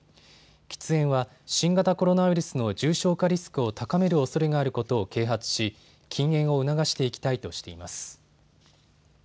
喫煙は新型コロナウイルスの重症化リスクを高めるおそれがあることを啓発し禁煙を促していきたいとしています。